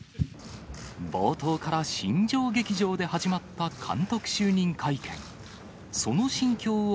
冒頭から新庄劇場で始まった監督就任会見。